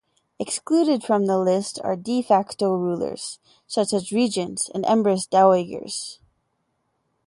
Excluded from the list are "de facto" rulers such as regents and empress dowagers.